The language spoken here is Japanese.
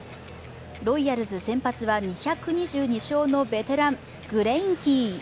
ロイヤルズ先発は、２２２勝のベテラン・グレインキー。